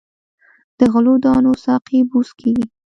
د غلو دانو ساقې بوس کیږي.